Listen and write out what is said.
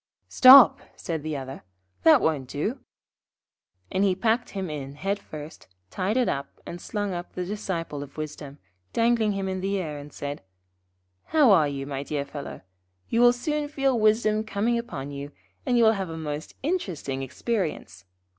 'Stop,' said the other. 'That won't do.' And he packed him in head first, tied it up, and slung up the Disciple of Wisdom, dangling him in the air, and said: 'How are you, my dear fellow? You will soon feel wisdom coming upon you, and will have a most interesting experience.